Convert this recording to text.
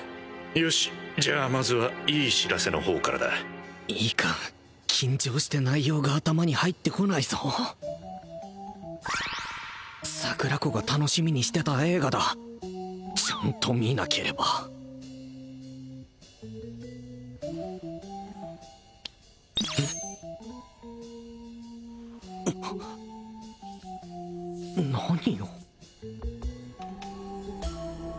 よしじゃあまずはいい知らせの方からだいかん緊張して内容が頭に入ってこないぞ桜子が楽しみにしてた映画だちゃんと見なければえっ何を？